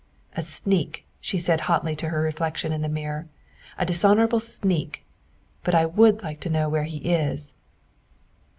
"A sneak," she said hotly to her reflection in the mirror, " a dishonorable sneak, but I would like to know where he is."